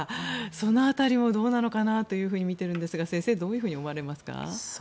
その辺りもどうなのかなと見ているんですが先生はどういうふうに思われますか？